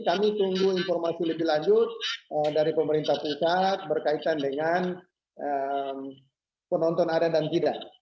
kami tunggu informasi lebih lanjut dari pemerintah pusat berkaitan dengan penonton ada dan tidak